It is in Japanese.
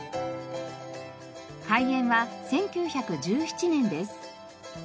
開園は１９１７年です。